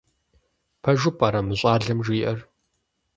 Пэжу пӀэрэ мы щӏалэм жиӀэр?